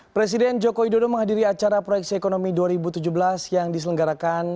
presiden joko widodo menghadiri acara proyeksi ekonomi dua ribu tujuh belas yang diselenggarakan